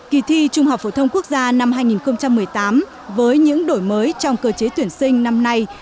kỳ thi trung học phổ thông quốc gia năm hai nghìn một mươi tám với những đổi mới trong cơ chế tuyển sinh năm nay